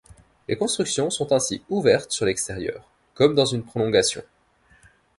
Les constructions sont ainsi ouvertes sur l'extérieur, comme dans une prolongation.